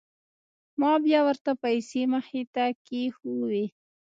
ما بيا ورته پيسې مخې ته كښېښووې.